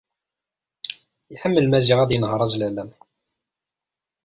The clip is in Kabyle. Yeḥmmel Maziɣ ad yenher azlalam.